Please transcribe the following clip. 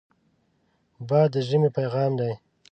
باد د ژمې پیغام دی